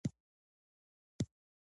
احمدشاه بابا په جګړه کې ډېر متواضع و.